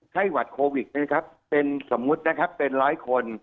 ไข้หวัดโควิดนะครับเป็นสมมุตินะครับเป็นร้อยคน